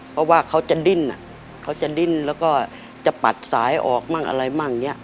เพราะว่าเขาจะดิ้นแล้วก็จะปัดสายออกมั่งอะไรมั่ง